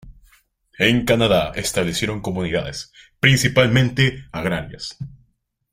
En Canadá establecieron comunidades, principalmente agrarias.